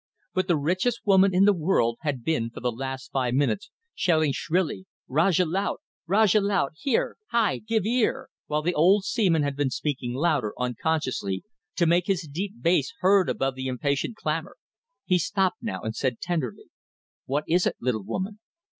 But the richest woman in the world had been for the last five minutes shouting shrilly "Rajah Laut! Rajah Laut! Hai! Give ear!" while the old seaman had been speaking louder, unconsciously, to make his deep bass heard above the impatient clamour. He stopped now and said tenderly "What is it, little woman?"